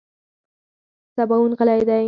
سباوون غلی دی .